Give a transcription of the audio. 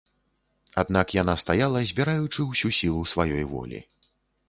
Аднак яна стаяла, збіраючы ўсю сілу сваёй волі.